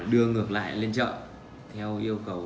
từ trước đến nay lên tới gần bốn năm tấn